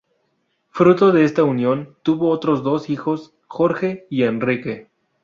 Fruto de esta unión tuvo otros dos hijos, Jorge y Enrique.